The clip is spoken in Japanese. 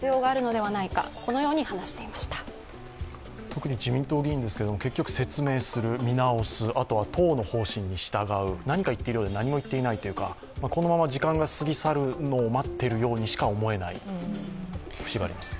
特に自民党議員ですが結局、説明する、見直す、あとは党の方針に従う、何か言っているようで何も言っていないというような、このまま時間が過ぎ去るのを待っているようにしか思えない節があります。